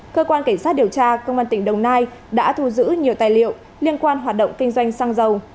cơ quan cảnh sát điều tra công an tỉnh đồng nai đã thu giữ nhiều tài liệu liên quan hoạt động kinh doanh xăng dầu